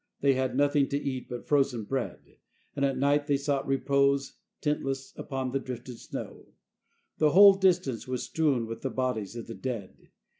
They had nothing to eat but frozen bread, and at night they sought repose, tent less, and upon the drifted snow. The whole distance was strewn with the bodies of the dead.